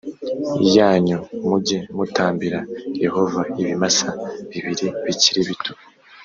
yanyu mujye mutambira yehova ibimasa bibiri bikiri bito